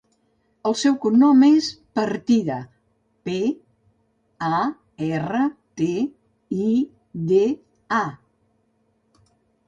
El seu cognom és Partida: pe, a, erra, te, i, de, a.